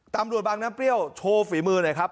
ตำรวจบังน้ำเปรี้ยวโชว์ฝีมือนะครับ